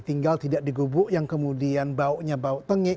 tinggal tidak digubuk yang kemudian baunya bau tengek